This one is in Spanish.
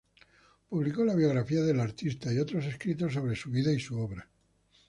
Publicó la biografía del artista y otros escritos sobre su vida y su obra.